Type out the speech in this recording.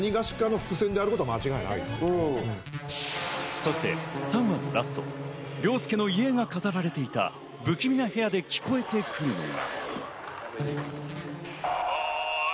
そして３話のラスト、凌介の遺影が飾られていた不気味な部屋で聴こえてくるのが。